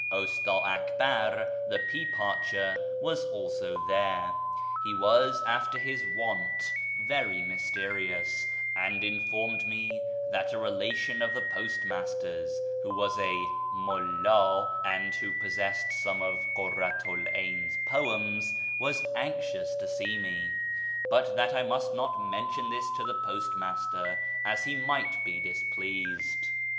Usta Akbar, the pea parcher, was also there. He was, after his wont, very mysterious, and informed me that a relation of the postmaster's, who was a " Mulla," and who possessed some of Kurratu l 'Ayn's poems, was anxious to see me, but that I must not mention tliis to the postmaster, as he might be dis pleased.